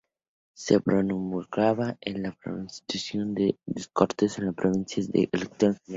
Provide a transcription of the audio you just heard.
Se promulga la Constitución, se disuelven las Cortes y se convocan elecciones generales.